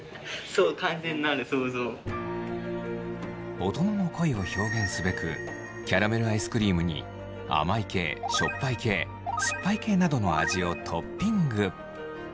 大人の恋を表現すべくキャラメルアイスクリームに甘い系しょっぱい系酸っぱい系などの味をトッピング。